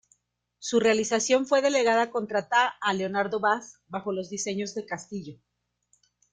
Su realización fue delegada contrata a Leonardo Vaz, bajo los diseños de Castillo.